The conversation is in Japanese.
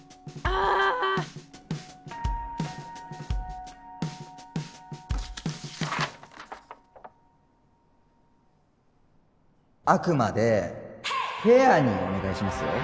あくまでフェアにお願いしますよ？